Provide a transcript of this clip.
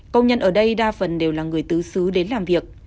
công nhân ở đây đa phần đều là người tứ xứ đến làm việc